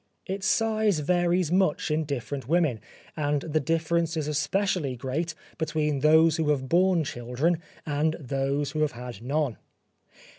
Its size varies much in different women, and the difference is especially great between those who have borne children and those who have had none.